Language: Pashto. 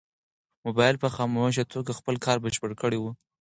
موبایل په خاموشه توګه خپل کار بشپړ کړی و.